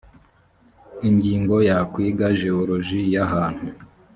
ingingo ya kwiga jewoloji y ahantu